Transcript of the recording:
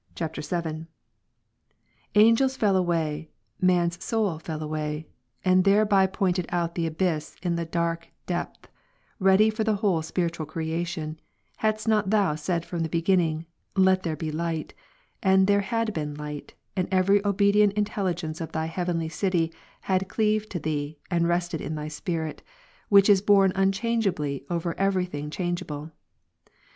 123, [VIII.] 9. Angels fell away, man's soul fell away, and there ^"^^^' by pointed out the abyss in that dark depth, ready for the whole spiritual creation, hadst not Thou said from the begin ning, Let there be light, and there had been light, and every obedient intelligence of Thy heavenly City had cleaved to Thee, and rested in Thy Spirit, Which is borne unchangeably over every thing changeable.